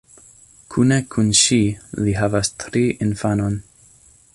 Kune kun ŝi li havas tri infanon.